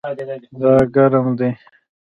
دا ګرم دی